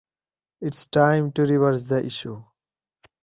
It is time to reverse the issue.